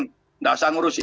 tidak usah ngurus iku